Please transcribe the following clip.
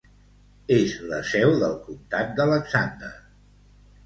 És la seu del comtat d'Alexander.